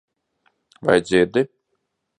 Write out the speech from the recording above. Vai dzirdi?